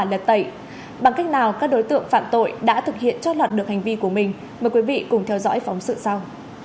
lật tẩy bằng cách nào các đối tượng phạm tội đã thực hiện cho lọt được hành vi của mình mời quý vị cùng theo dõi phóng sự sau